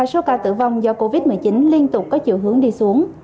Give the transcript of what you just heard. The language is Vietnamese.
số ca tử vong do covid một mươi chín liên tục có chiều hướng đi xuống